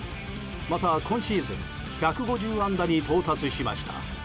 また、今シーズン１５０安打に到達しました。